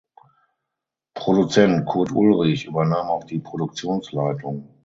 Produzent Kurt Ulrich übernahm auch die Produktionsleitung.